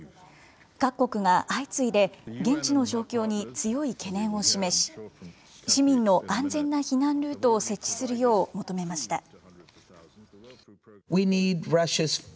各国が相次いで現地の状況に強い懸念を示し、市民の安全な避難ルートを設置するよう求めました。